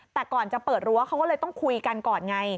แต่ก่อนจะเปิดรั้วเขาก็เลยต้องคุยกันก่อนไง